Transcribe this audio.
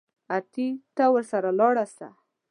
اتې ته ورسره ولاړ سه.